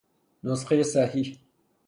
نسخهُ صحیح